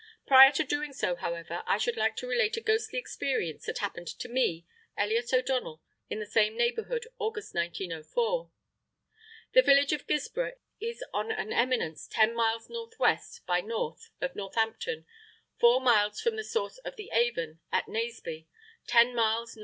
Prior to doing so, however, I should like to relate a ghostly experience that happened to me, Elliott O'Donnell, in the same neighbourhood, August 1904. The village of Guilsborough is on an eminence 10 miles N.W. by N. of Northampton, 4 miles from the source of the Avon at Naseby, 10 miles N.E.